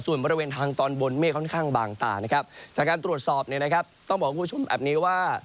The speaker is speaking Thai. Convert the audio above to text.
ส่วนบริเวณทางตอนบนเมฆค่อนข้างบางตานะครับจากการตรวจสอบเนี่ยนะครับต้องบอกคุณผู้ชมแบบนี้ว่า